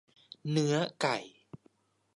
เนื้อไก่